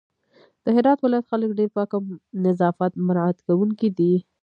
د هرات ولايت خلک ډېر پاک او نظافت مرعت کونکي دي